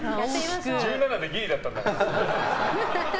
１７でギリだったんだから。